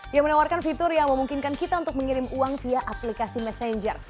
yang menawarkan fitur yang memungkinkan kita untuk mengirim uang via aplikasi messenger